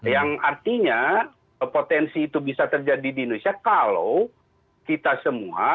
yang artinya potensi itu bisa terjadi di indonesia kalau kita semua